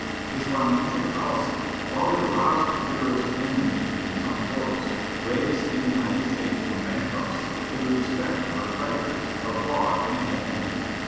His financial policy, while it aroused the bitterest enmity in some quarters, raised the United States from bankruptcy to the respect of her creditors, abroad and at home.